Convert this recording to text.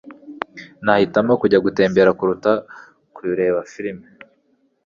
Nahitamo kujya gutembera kuruta kureba firime.